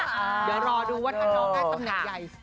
เดี๋ยวรอดูว่าถ้าน้องได้ตำแหน่งใหญ่